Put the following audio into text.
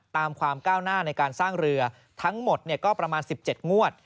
ตามความก้าวหน้าในการสร้างเรือทั้งหมดก็ประมาณ๑๗งวด